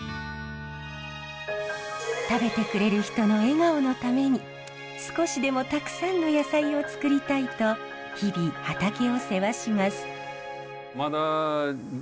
食べてくれる人の笑顔のために少しでもたくさんの野菜をつくりたいと日々畑を世話します。